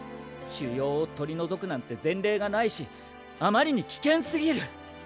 腫瘍を取り除くなんて前例がないしあまりに危険すぎる。